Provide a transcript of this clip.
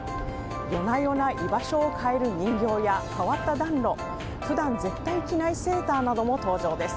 夜な夜な居場所を変える人形や変わった暖炉普段絶対着ないセーターなども登場です。